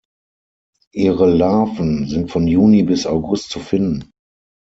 Ihre Larven sind von Juni bis August zu finden.